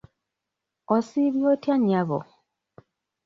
Osiibye otya nnyabo?